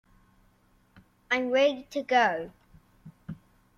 I am ready to go.